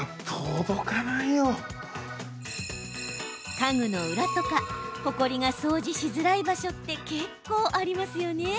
家具の裏とかほこり掃除がしづらい場所って結構ありますよね。